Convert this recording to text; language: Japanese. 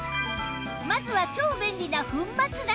まずは超便利な粉末だし